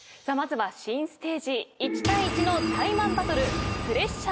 まずは新ステージ１対１のタイマンバトル。